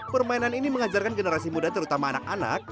permainan ini mengajarkan generasi muda terutama anak anak